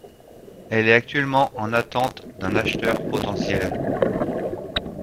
Elle est actuellement en attente d'un acheteur potentiel.